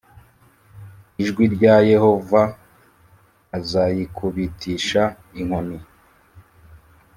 ijwi rya Yehova azayikubitisha inkoni